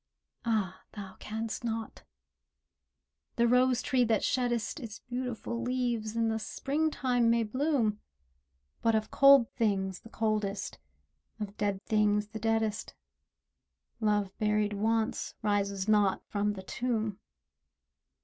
ah, thou can'st not! the rose tree that sheddest Its beautiful leaves, in the Springtime may bloom, But of cold things the coldest, of dead things the deadest, Love buried once, rises not from the tomb.